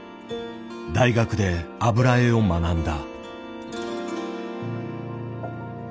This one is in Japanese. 大学で油絵を学んだ。